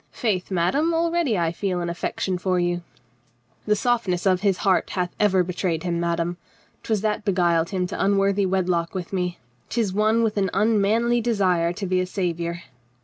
Faith, madame, already I feel an affec tion for you." "The softness of his heart hath ever betrayed him, madame. 'Twas that beguiled him to unworthy wedlock with me. 'Tis one with an unmanly desire to be a savior."